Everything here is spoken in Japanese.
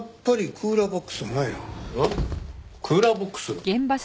クーラーボックス？